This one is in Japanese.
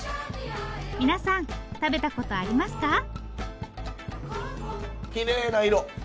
皆さん食べたことありますか？